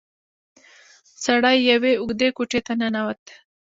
سړی يوې اوږدې کوټې ته ننوت.